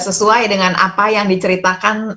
sesuai dengan apa yang diceritakan